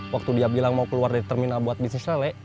waktu dia bilang mau keluar dari terminal buat bisnis sale